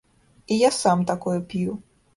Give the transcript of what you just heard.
Я і сам такое п'ю.